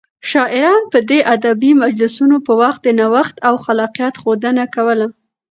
شاعران به د ادبي مجلسونو په وخت د نوښت او خلاقيت ښودنه کوله.